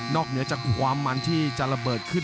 เหนือจากความมันที่จะระเบิดขึ้น